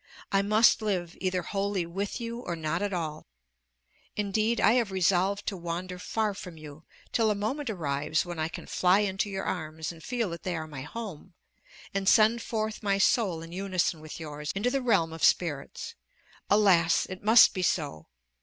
I must live either wholly with you, or not at all. Indeed, I have resolved to wander far from you till the moment arrives when I can fly into your arms, and feel that they are my home, and send forth my soul in unison with yours into the realm of spirits. Alas! it must be so!